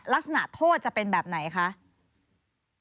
ลักษณะโทษจะเป็นแบบไหนคะ